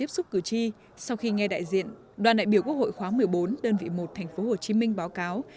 sau khi nghe đại diện đoàn đại biểu quốc hội khoáng một mươi bốn đơn vị một tp hcm báo cáo